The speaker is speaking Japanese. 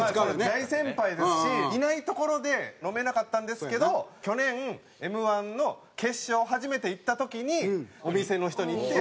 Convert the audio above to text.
大先輩ですしいないところで飲めなかったんですけど去年Ｍ−１の決勝初めていった時にお店の人に言って。